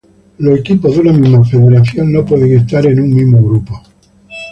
Los equipos de una misma federación no pueden estar en un mismo grupo.